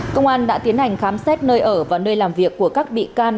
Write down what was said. công an đã tiến hành khám xét nơi ở và nơi làm việc của các bị can